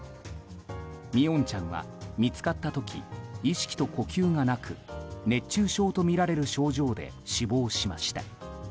三櫻音ちゃんは見つかった時意識と呼吸がなく熱中症とみられる症状で死亡しました。